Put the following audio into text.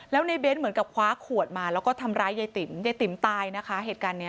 แล้วในเบ้นเหมือนกับคว้าขวดมาแล้วก็ทำร้ายยายติ๋มยายติ๋มตายนะคะเหตุการณ์นี้